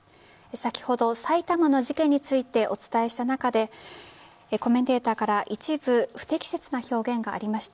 先ほど埼玉の事件についてお伝えした中でコメンテーターから一部不適切な表現がありました。